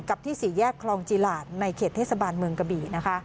ที่สี่แยกคลองจีหลาดในเขตเทศบาลเมืองกะบี่